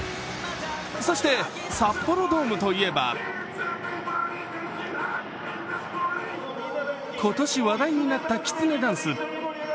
そして、札幌ドームといえば今年、話題になったきつねダンス。